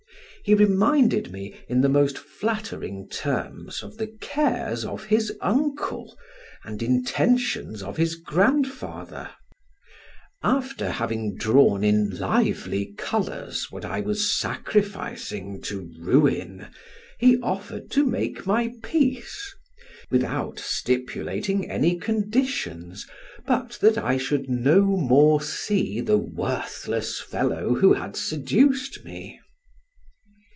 He reminded me, in the most flattering terms, of the cares of his uncle, and intentions of his grandfather; after having drawn in lively colors what I was sacrificing to ruin, he offered to make my peace, without stipulating any conditions, but that I should no more see the worthless fellow who had seduced me.